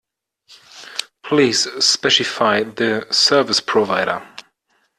Please specify the service provider.